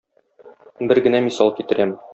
Бер генә мисал китерәм.